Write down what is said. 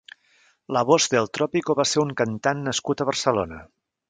La Voss del Trópico va ser un cantant nascut a Barcelona.